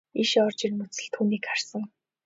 Ийшээ орж ирмэгц л түүнийг харсан.